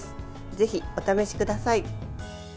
ぜひ、お試しください。